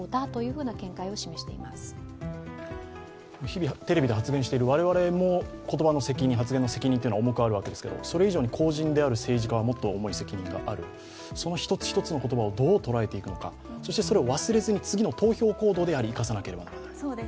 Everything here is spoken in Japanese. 日々、テレビで発言している我々も言葉の責任、発言の責任は重くあるわけですけれども、それ以上に公人である政治家はもっと重い責任がある、その一つ一つの言葉をどう捉えていくのか、それを忘れずに次の投票行動につなげる必要がある。